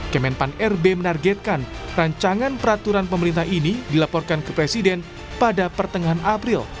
kemenpan rb menargetkan rancangan peraturan pemerintah ini dilaporkan ke presiden pada pertengahan april